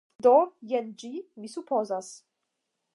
Do, jen ĝi. Mi supozas.